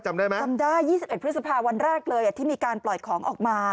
จำได้๒๑พฤษภาวันแรกเลยที่มีการปล่อยของออกมา